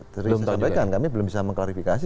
terlalu banyak yang sampaikan kami belum bisa mengklarifikasi